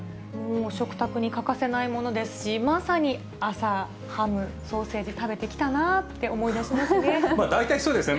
もう食卓に欠かせないものですし、まさに朝、ハム、ソーセージ食べてきたなって思い出しますね。